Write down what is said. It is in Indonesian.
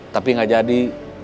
tapi gak jadi